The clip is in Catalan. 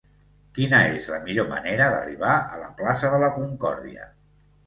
Quina és la millor manera d'arribar a la plaça de la Concòrdia?